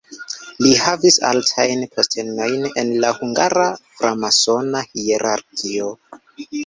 Li havis altajn postenojn en la hungara framasona hierarkio.